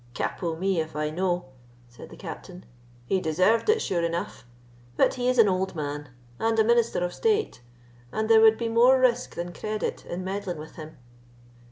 "Capot me if I know," said the Captain. "He deserved it sure enough; but he is an old man, and a minister of state, and there would be more risk than credit in meddling with him.